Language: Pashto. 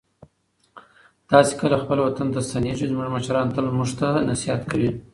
تاسې کله خپل وطن ته ستنېږئ؟ زموږ مشران تل موږ ته نصیحت کوي.